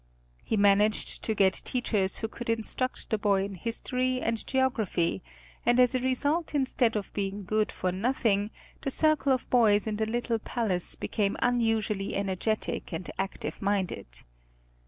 He managed to get teachers who could instruct the boys in history and geography, and as a result instead of being good for nothing the circle of boys in the little palace became unusually energetic and active minded.